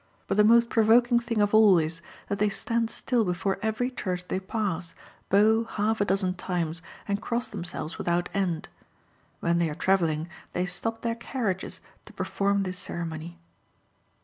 But the most provoking thing of all is, that they stand still before every church they pass, bow half a dozen times, and cross themselves without end. When they are travelling, they stop their carriages to perform this ceremony.